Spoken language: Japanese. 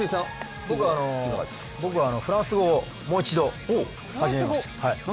僕はフランス語をもう一度始めます。